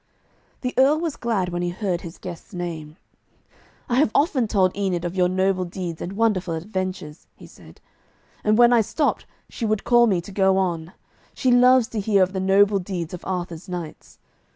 The Earl was glad when he heard his guest's name. 'I have often told Enid of your noble deeds and wonderful adventures,' he said, 'and when I stopped, she would call to me to go on. She loves to hear of the noble deeds of Arthur's knights.